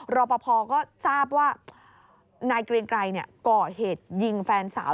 รอปภก็ทราบว่านายเกรียงไกรก่อเหตุยิงแฟนสาว